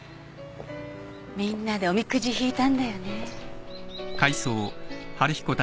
みんなでおみくじ引いたんだよね。